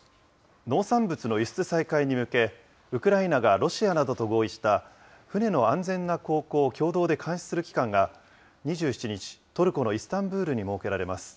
農産物の輸出再開に向けて、ウクライナがロシアなどと合意した船の安全な航行を共同で監視する機関が、２７日、トルコのイスタンブールに設けられます。